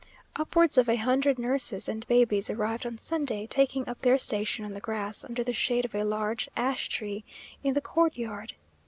Upwards of a hundred nurses and babies arrived on Sunday, taking up their station on the grass, under the shade of a large ash tree in the courtyard.